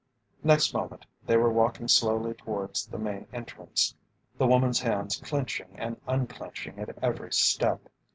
Next moment they were walking slowly towards the main entrance, the woman's hands clenching and unclenching at every step.